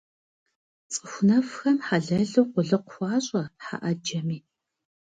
Цӏыху нэфхэм хьэлэлу къулыкъу хуащӏэ хьэ ӏэджэми.